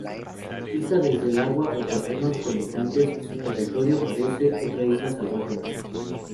Vista desde el agua, o terrenos colindantes, su territorio parece otra Isla salvaje más.